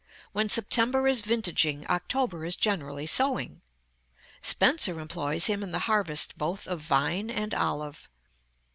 When September is vintaging, October is generally sowing. Spenser employs him in the harvest both of vine and olive.